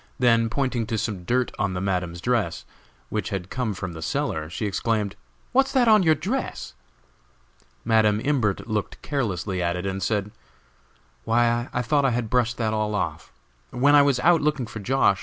Then, pointing to some dirt on the Madam's dress which had come from the cellar she exclaimed: "What's that on your dress?" Madam Imbert looked carelessly at it, and said: "Why, I thought I had brushed that all off! When I was out looking for Josh.